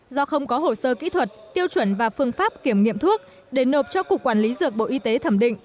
do không có hồ sơ kỹ thuật tiêu chuẩn và phương pháp kiểm nghiệm thuốc để nộp cho cục quản lý dược bộ y tế thẩm định